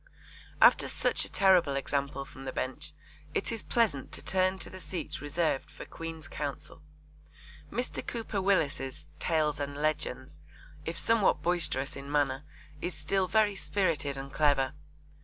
After such a terrible example from the Bench, it is pleasant to turn to the seats reserved for Queen's Counsel. Mr. Cooper Willis's Tales and Legends, if somewhat boisterous in manner, is still very spirited and clever.